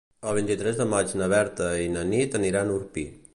El vint-i-tres de maig na Berta i na Nit aniran a Orpí.